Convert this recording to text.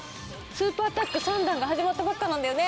「スーパータッグ３弾」が始まったばっかなんだよね。